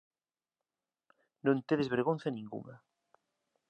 Non tedes vergonza ningunha.